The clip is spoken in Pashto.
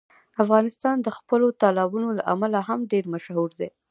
افغانستان د خپلو تالابونو له امله هم ډېر مشهور دی.